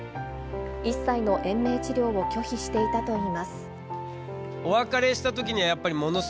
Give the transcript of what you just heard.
一切の延命治療を拒否していたといいます。